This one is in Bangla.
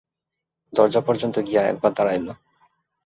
দরজা পর্যন্ত গিয়া একবার দাঁড়াইল।